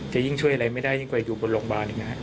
จะยิ่งช่วยอะไรไม่ได้ยิ่งกว่าอยู่บนโรงบาล